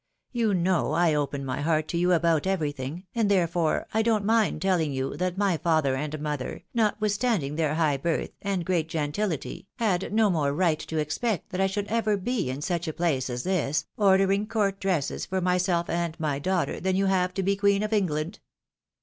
You know I open my heart to you about everything, and there fore I don't mind telling you that my father and mother, not withstanding their high birth, and great gentility, had no more right to expect that I should ever be in such a place as this, ordering court dresses for myself and my daughter, than you have to be queen of England.